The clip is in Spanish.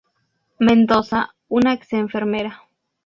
Mendoza, una ex enfermera.